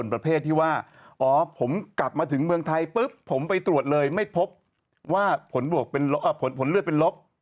อ๋อผมกลับมาถึงเมืองไทยปุ๊บผมไปตรวจเลยไม่พบว่าผลเลือดเป็นลบ